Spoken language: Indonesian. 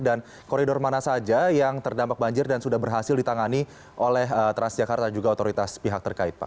dan koridor mana saja yang terdampak banjir dan sudah berhasil ditangani oleh transjakarta juga otoritas pihak terkait pak